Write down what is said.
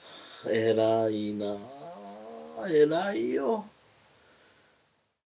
偉いなあ偉いよ。